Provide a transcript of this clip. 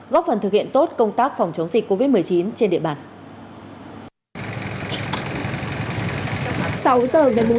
góp phần thực hiện tốt công tác phòng chống dịch covid một mươi chín trên địa bàn